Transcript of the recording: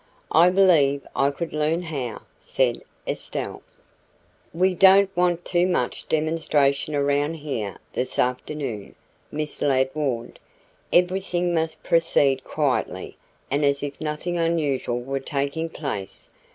"I believe I could learn how," said Estelle. "We don't want too much demonstration around here this afternoon," Miss Ladd warned. "Everything must proceed quietly and as if nothing unusual were taking place.